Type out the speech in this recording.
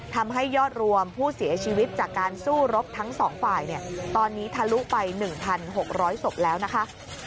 ทำให้ยอดรวมผู้เสียชีวิตจากการสู้รบทั้งสองฝ่ายตอนนี้ทะลุไป๑๖๐๐ศพแล้วนะคะ